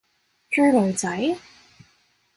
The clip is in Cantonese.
追女仔？